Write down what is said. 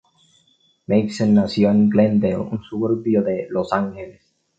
Matheson nació en Glendale, un suburbio de Los Ángeles.